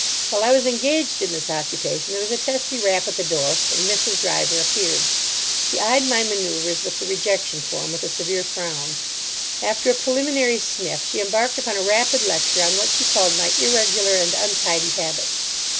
While I was engaged in this occupation there was a testy rap at the door, and Mrs. Driver appeared. She eyed my manoeuvres with the rejection form with a severe frown. After a preliminary sniff she embarked upon a rapid lecture on what she called my irregular and untidy habits.